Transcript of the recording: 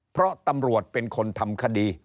เพราะตำรวจเป็นคนทำคดี